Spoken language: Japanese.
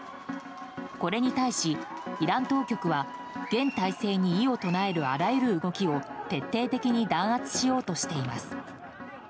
これに対し、イラン当局は現体制に異を唱えるあらゆる動きを徹底的に弾圧しようとしています。